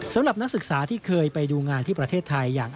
สำหรับนักศึกษาที่เคยไปดูงานที่ประเทศไทยอย่าง